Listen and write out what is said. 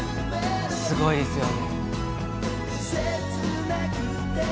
すごいですよね。